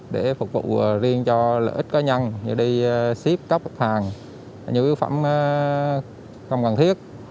để phục vụ riêng cho lợi ích cá nhân như đi ship cấp hàng nhu yếu phẩm không cần thiết